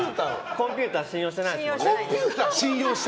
コンピュータを信用していない。